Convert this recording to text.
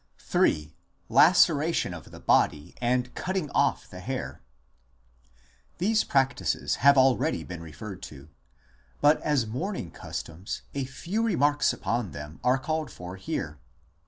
1 III. LACERATION OF THE BODY AND CUTTING OFF THE HAIR These practices have already been referred to !; but as mourning customs a few remarks upon them are called for here.